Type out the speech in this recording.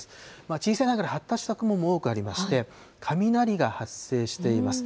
小さいながら発達した雲も多くありまして、雷が発生しています。